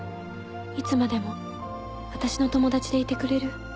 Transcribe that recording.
いつまでもあたしの友達でいてくれる？